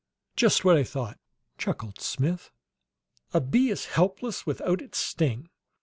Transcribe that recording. "Just what I thought!" chuckled Smith. "A bee is helpless without its sting!